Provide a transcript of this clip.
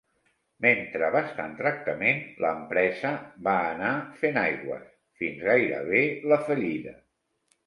Mentre va estar en tractament l'empresa va anar fent aigües fins gairebé la fallida.